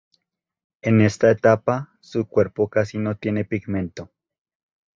En esta etapa, su cuerpo casi no tiene pigmento.